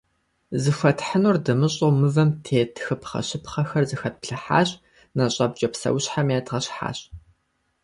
Зыхуэтхьынур дымыщӏэу мывэм тет тхыпхъэщӏыпхъэхэр зэпэтплъыхьащ, нэщӏэпкӏэ псэущхьэми едгъэщхьащ.